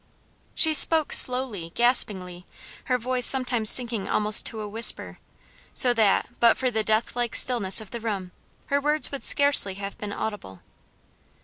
She spoke slowly, gaspingly her voice sometimes sinking almost to a whisper; so that, but for the death like stillness of the room, her words would scarcely have been audible.